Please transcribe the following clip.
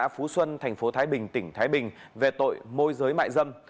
phú xuân thành phố thái bình tỉnh thái bình về tội môi giới mại dâm